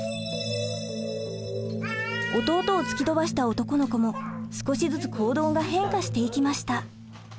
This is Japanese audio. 弟を突き飛ばした男の子も少しずつ行動が変化していきました。